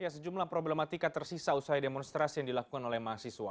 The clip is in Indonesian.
sejumlah problematika tersisa usai demonstrasi yang dilakukan oleh mahasiswa